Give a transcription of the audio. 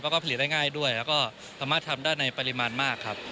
แล้วก็ผลิตได้ง่ายด้วยแล้วก็สามารถทำได้ในปริมาณมากครับ